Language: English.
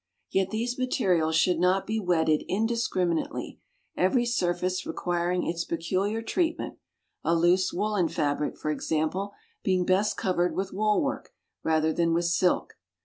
Yet these materials should not be wedded indiscriminately, every surface requiring its peculiar treatment; a loose woollen fabric, for example, being best covered with wool work rather than with silk.